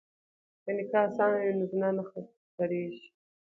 که نکاح اسانه وي نو زنا نه خپریږي.